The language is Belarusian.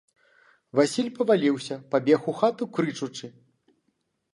Васіль паваліўся, пабег у хату крычучы.